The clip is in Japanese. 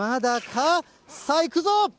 さあ、いくぞ。